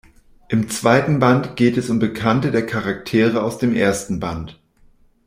Im zweiten Band geht es um Bekannte der Charaktere aus dem ersten Band.